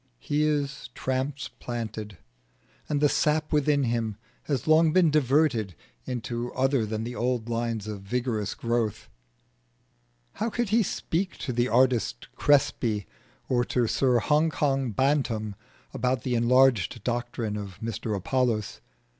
He is transplanted, and the sap within him has long been diverted into other than the old lines of vigorous growth. How could he speak to the artist Crespi or to Sir Hong Kong Bantam about the enlarged doctrine of Mr Apollos?